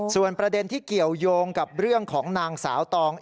ส่วนประเด็นที่เกี่ยวยงกับเรื่องของนางสาวตอง